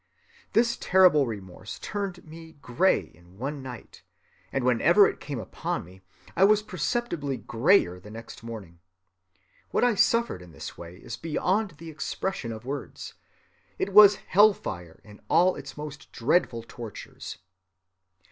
This terrible remorse turned me gray in one night, and whenever it came upon me I was perceptibly grayer the next morning. What I suffered in this way is beyond the expression of words. It was hell‐fire in all its most dreadful tortures.